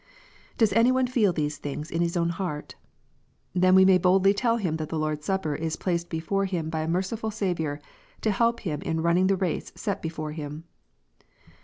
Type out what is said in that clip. Does any one feel these things in his own heart? Then we may boldly tell him that the Lord s Supper is placed before him by a merciful Saviour, to help him in running the race set before him.